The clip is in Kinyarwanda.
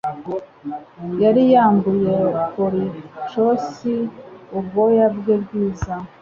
yari yambuye Colchos ubwoya bwe bwiza